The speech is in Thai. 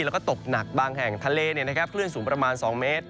แล้วก็ตกหนักบางแห่งทะเลคลื่นสูงประมาณ๒เมตร